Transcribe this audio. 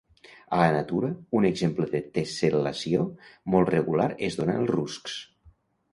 A la natura, un exemple de tessel·lació molt regular es dóna en els ruscs.